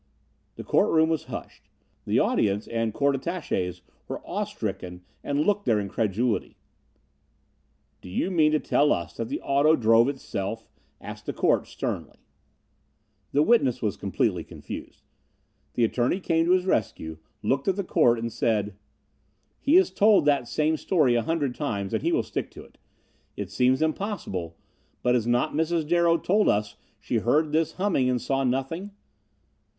The court room was hushed. The audience and court attaches were awe stricken and looked their incredulity. "Do you mean to tell us that auto drove itself?" asked the court sternly. The witness was completely confused. The attorney came to his rescue, looked at the court, and said: "He has told that same story a hundred times, and he will stick to it. It seems impossible, but has not Mrs. Darrow told us she heard this humming and saw nothing?